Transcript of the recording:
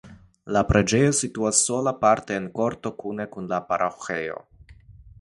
La preĝejo situas sola parte en korto kune kun la paroĥejo.